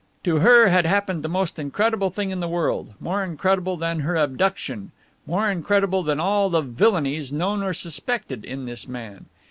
To her had happened the most incredible thing in the world, more incredible than her abduction, more incredible than all the villainies known or suspected, in this man.